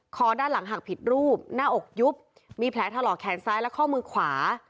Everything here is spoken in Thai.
คอด้านหลังหักผิดรูปหน้าอกยุบมีแผลถลอกแขนซ้ายและข้อมือขวา